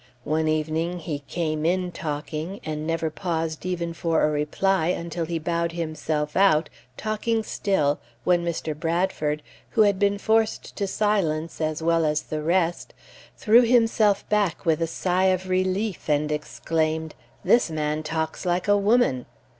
One evening he came in talking, and never paused even for a reply until he bowed himself out, talking still, when Mr. Bradford, who had been forced to silence as well as the rest, threw himself back with a sigh of relief and exclaimed, "This man talks like a woman!"